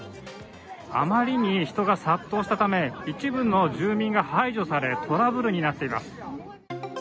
あまりに人が殺到したため、一部の住民が排除され、トラブルになっています。